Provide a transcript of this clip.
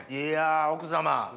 いや奥様